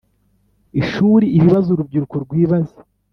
ishuri Ibibazo urubyiruko rwibaza